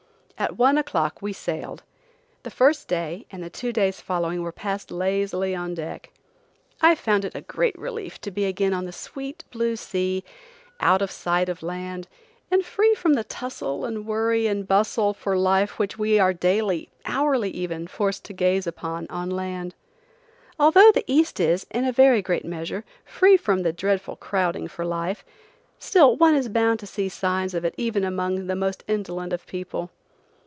At one o'clock we sailed. The first day and the two days following were passed lazily on deck. I found it a great relief to be again on the sweet, blue sea, out of sight of land, and free from the tussle and worry and bustle for life which we are daily, hourly even, forced to gaze upon on land. Although the East is, in a very great measure, free from the dreadful crowding for life, still one is bound to see signs of it even among the most indolent of people.